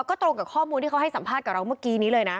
ก็ตรงกับข้อมูลที่เขาให้สัมภาษณ์กับเราเมื่อกี้นี้เลยนะ